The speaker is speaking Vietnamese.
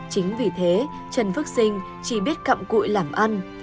chính vì thế trần phước sinh chỉ biết cặm cụi làm ăn